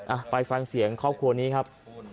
อ่ะไปฟังเสียงครอบครัวนี้ครับ